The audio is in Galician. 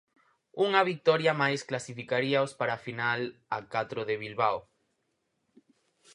Unha vitoria máis clasificaríaos para a final A Catro de Bilbao.